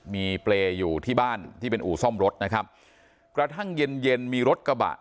มีเปรย์อยู่ที่บ้านที่เป็นอู่ซ่อมรถนะครับกระทั่งเย็นเย็นมีรถกระบะ